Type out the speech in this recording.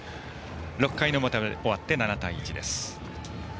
６回の表が終わって７対１です。